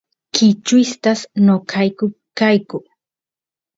kichwistas noqayku kayku